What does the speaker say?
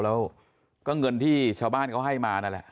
แล้วก็เงินที่ชาวบ้านเขาให้มานั่นแหละ